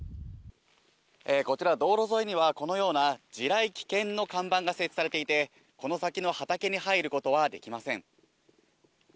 こちら、道路沿いにはこのような地雷危険の看板が設置されていて、この先の畑に入ることはできません。